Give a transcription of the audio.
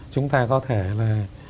chúng ta có thể là